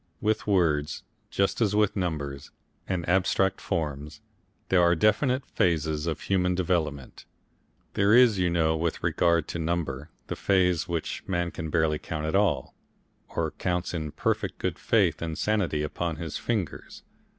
With words just as with numbers and abstract forms there are definite phases of human development. There is, you know, with regard to number, the phase when man can barely count at all, or counts in perfect good faith and sanity upon his fingers.